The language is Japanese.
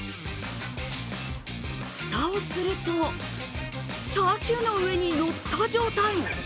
フタをするとチャーシューの上に載った状態。